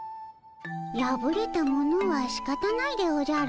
やぶれたものはしかたないでおじゃる。